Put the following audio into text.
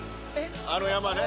あの山ね。